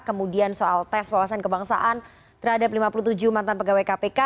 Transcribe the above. kemudian soal tes wawasan kebangsaan terhadap lima puluh tujuh mantan pegawai kpk